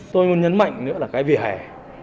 tôi muốn nhấn mạnh nữa là cái vỉa hè